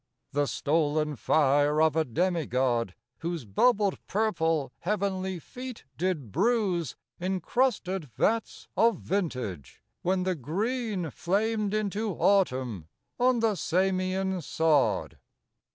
The stolen fire of a demigod, Whose bubbled purple heavenly feet did bruise In crusted vats of vintage, when the green Flamed into autumn, on the Samian sod.